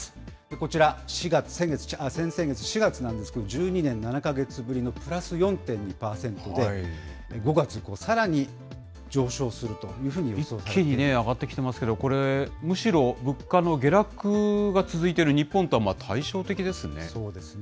こちら、先々月・４月なんですけど、１２年７か月ぶりのプラス４．２％で、５月以降、さらに上昇する一気に上がってきていますけれども、これ、むしろ物価の下落が続いてる日本とは対照的ですね。